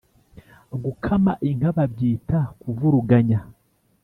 Gukama inka babyita kuvuruganya